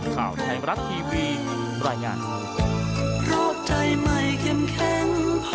ข่าวไทยรัฐทีวีรายงาน